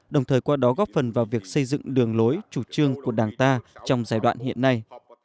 đồng thời qua đó góp phần vào việc xây dựng đường lối chủ trương của đảng ta trong giai đoạn hiện nay